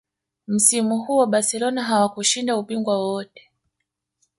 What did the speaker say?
msimu huo barcelona hawakushinda ubingwa wowote